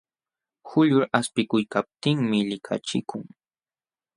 Quyllur aspikuykaptinmi likachikun.